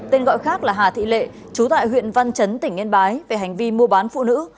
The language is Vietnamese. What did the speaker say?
tên gọi khác là hà thị lệ chú tại huyện văn chấn tỉnh yên bái về hành vi mua bán phụ nữ